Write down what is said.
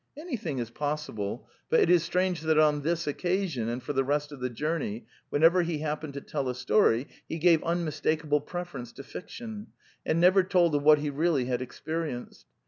Anything is possible, but it is strange that on this occasion and for the rest of the journey, whenever he happened to tell a story, he gave unmistakable preference to fiction, and never told of what he really had experienced.